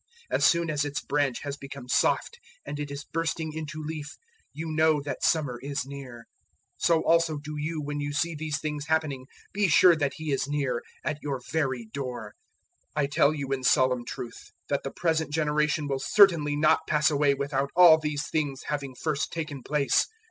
As soon as its branch has become soft and it is bursting into leaf, you know that summer is near. 013:029 So also do you, when you see these things happening, be sure that He is near, at your very door. 013:030 I tell you in solemn truth that the present generation will certainly not pass away without all these things having first taken place.